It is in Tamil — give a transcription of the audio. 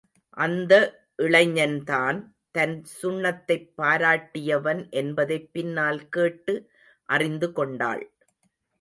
அந்த இளைஞன்தான் தன் சுண்ணத்தைப் பாராட்டியவன் என்பதைப் பின்னால் கேட்டு அறிந்து கொண்டாள்.